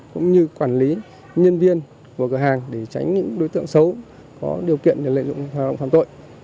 cũng như quản lý nhân viên của cửa hàng để tránh những đối tượng xấu có điều kiện để lợi dụng hoạt động phạm tội